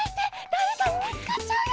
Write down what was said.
だれかにみつかっちゃうよ！